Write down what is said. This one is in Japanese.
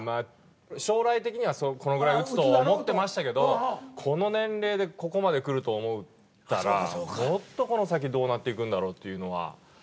将来的にはこのぐらい打つと思ってましたけどこの年齢でここまでくると思ったらもっとこの先どうなっていくんだろうっていうのは。